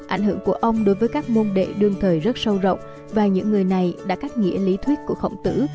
ảnh hưởng của ông đối với các môn đệ đương thời rất sâu rộng và những người này đã cách nghĩa lý thuyết của khổng tử